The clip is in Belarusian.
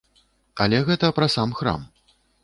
Але гэта пра сам храм.